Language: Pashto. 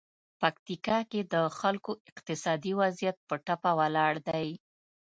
پکتیکا کې د خلکو اقتصادي وضعیت په ټپه ولاړ دی.